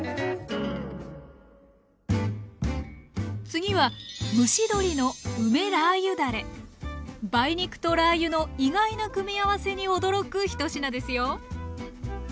次は梅肉とラー油の意外な組み合わせに驚く１品ですよ